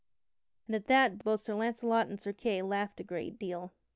And at that both Sir Launcelot and Sir Kay laughed a great deal.